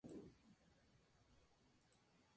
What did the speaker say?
Este ábside-torre es lo que presta más carácter al templo.